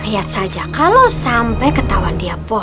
lihat saja kalau sampai ketahuan dia